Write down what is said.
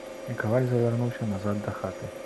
І каваль завярнуўся назад да хаты.